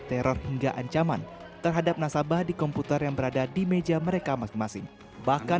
teror hingga ancaman terhadap nasabah di komputer yang berada di meja mereka masing masing bahkan